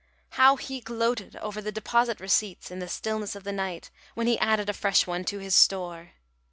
How he gloated over the deposit receipts in the stillness of the night, when he added a fresh one to his store!